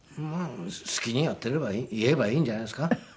好きにやっていれば言えばいいんじゃないですか。